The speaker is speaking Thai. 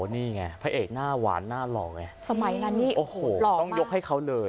นี่ไงพระเอกหน้าหวานหน้าหล่อไงสมัยนั้นนี่โอ้โหต้องยกให้เขาเลย